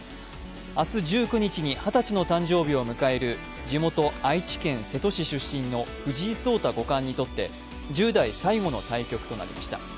明日１９日に二十歳の誕生日を迎える地元・愛知県瀬戸市出身の藤井聡太五冠にとって、１０代最後の対局となりました。